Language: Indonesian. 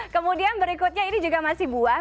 kemudian berikutnya ini juga masih buah